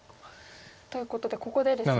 ということでここでですね。